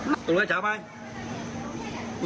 เติ้ลอย่างใจมึงใจกูเป็นข้าราคา